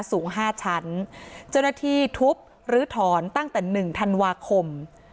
สูงห้าชั้นเจ้าหน้าที่ทุบลื้อถอนตั้งแต่๑ธันวาคม